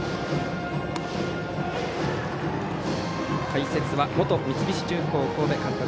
解説は元三菱重工神戸監督